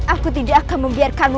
aku tidak akan membiarkanmu